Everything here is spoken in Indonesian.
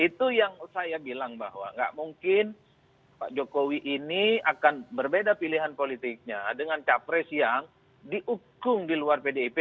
itu yang saya bilang bahwa nggak mungkin pak jokowi ini akan berbeda pilihan politiknya dengan capres yang dihukum di luar pdip